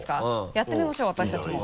やってみましょう私たちも。